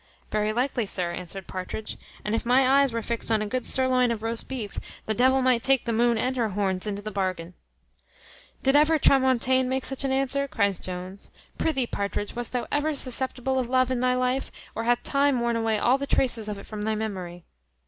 "Very likely, sir," answered Partridge; "and if my eyes were fixed on a good surloin of roast beef, the devil might take the moon and her horns into the bargain." "Did ever Tramontane make such an answer?" cries Jones. "Prithee, Partridge, wast thou ever susceptible of love in thy life, or hath time worn away all the traces of it from thy memory?"